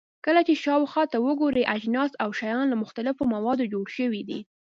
کله چې شاوخوا ته وګورئ، اجناس او شیان له مختلفو موادو جوړ شوي دي.